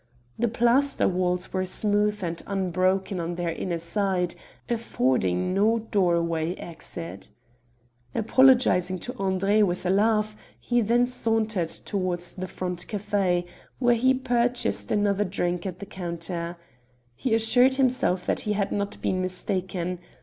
The plaster walls were smooth and unbroken on their inner side, affording no doorway exit. Apologising to André with a laugh, he then sauntered towards the front café, where he purchased another drink at the counter. He assured himself that he had not been mistaken.